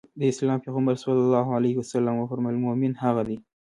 د اسلام پيغمبر ص وفرمايل مومن هغه دی.